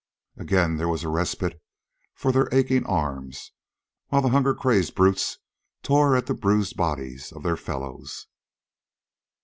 And again there was respite for their aching arms, while the hunger crazed brutes tore at the bruised bodies of their fellows.